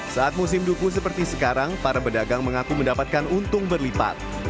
saat musim duku seperti sekarang para pedagang mengaku mendapatkan untung berlipat